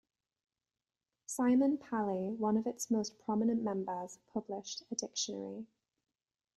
Simin Palay, one of its most prominent members, published a dictionary.